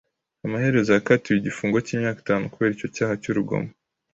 Amaherezo yakatiwe igifungo cy’imyaka itanu kubera icyo cyaha cy’urugomo.